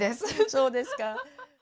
そうですか。